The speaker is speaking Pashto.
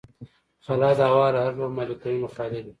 خلا د هوا له هر ډول مالیکولونو خالي ده.